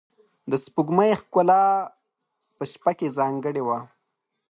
د سپوږمۍ ښکلا په شپه کې ځانګړې وه.